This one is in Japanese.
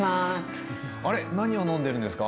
あれ何を飲んでるんですか？